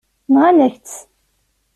Nɣan-ak-tt.